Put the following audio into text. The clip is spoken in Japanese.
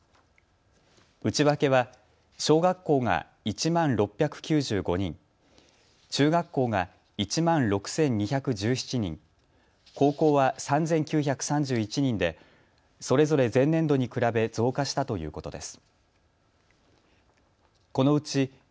内訳は小学校が１万６９５人、中学校が１万６２１７人、高校は３９３１人でそれぞれ前年度に比べ増加したということです。